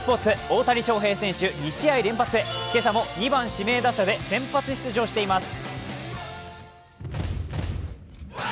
大谷翔平選手、２試合連発、今朝も２番・指名打者で先発出場しています。